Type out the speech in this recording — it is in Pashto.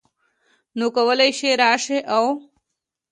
نو کولی شې راشې او